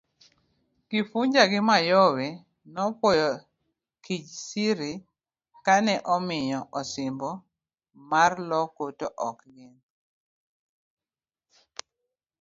Kifuja gi Mayowe nopwoyo Kijsiri kane omiyo osimbo mar loko to ok gin'.